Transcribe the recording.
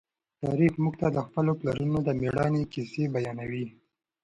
تاریخ موږ ته د خپلو پلرونو د مېړانې کیسې بیانوي.